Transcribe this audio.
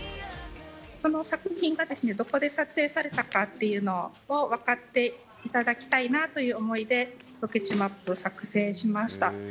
作品がどこで撮影されたかっていうのを分かっていただきたいなという思いで、ロケ地マップを作成しました。